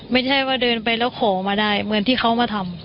ไม่ใช่ว่าเดินไปแล้วขอมาได้เหมือนที่เขามาทำ